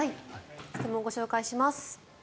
質問をご紹介します。